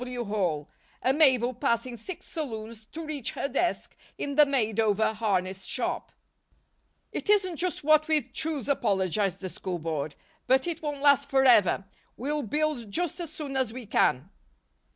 W. Hall and Mabel passing six saloons to reach her desk in the made over harness shop. "It isn't just what we'd choose," apologized the School Board, "but it won't last forever. We'll build just as soon as we can."